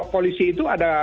polisi itu ada